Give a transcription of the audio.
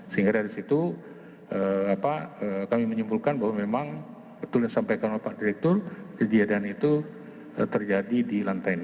sehingga dari situ kami menyimpulkan bahwa memang betul yang disampaikan oleh pak direktur kejadian itu terjadi di lantai enam